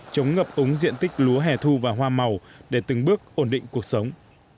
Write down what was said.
chống ngập úng diện tích lúa hẻ thu và hoa màu để từng bước ổn định cuộc sống